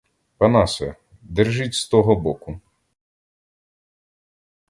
Панасе, держіть з того боку.